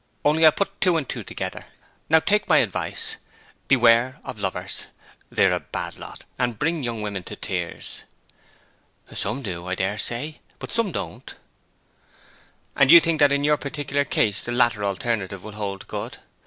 Only I put two and two together. Now take my advice. Beware of lovers! They are a bad lot, and bring young women to tears.' 'Some do, I dare say. But some don't.' 'And you think that in your particular case the latter alternative will hold good?